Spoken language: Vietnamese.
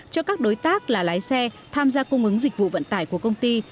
cho các đối tác là lái xe tham gia cung ứng dịch vụ vận tải của công ty